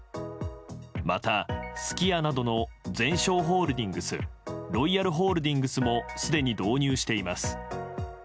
また、すき家などのゼンショーホールディングスロイヤルホールディングスもすでに導入しています。